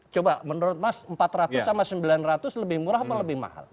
coba menurut mas empat ratus sama sembilan ratus lebih murah apa lebih mahal